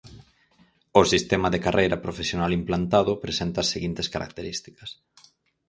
O sistema de carreira profesional implantado presenta as seguintes características.